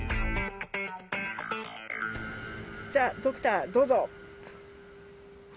じゃあドクターどうぞ！